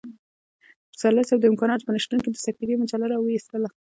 پسرلی صاحب د امکاناتو په نشتون کې د سپېدې مجله را وايستله.